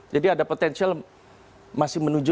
jadi ada potensi masih menuju ke seratus